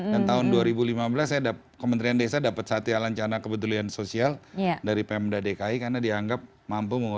dan tahun dua ribu lima belas saya kementerian desa dapat satya lancana kebetulan sosial dari pmd dki karena dianggap mampu memulai